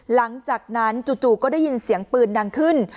หลังจากนั้นจู่ก็ได้ยินเสียงปืนดังขึ้น